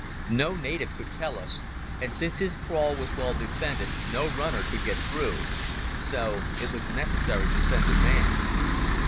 No native could tell us, and since his kraal was well defended no runner could get through. So it was necessary to send a man."